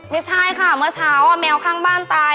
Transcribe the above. ไม่ใช่ค่ะเมื่อเช้าแมวข้างบ้านตาย